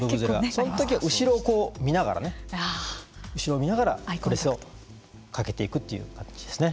その時は後ろを見ながら後ろを見ながらプレスをかけていくという形ですね。